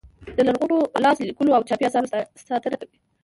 د لرغونو لاس لیکلو او چاپي اثارو ساتنه کوي.